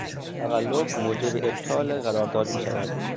تقلب موجب ابطال قرارداد میشود.